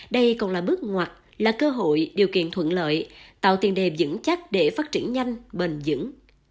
đây còn là bước ngoặt là cơ hội điều kiện thuận lợi tạo tiền đềm dững chắc để phát triển nhanh bền dững